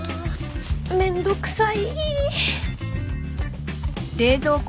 面倒くさい！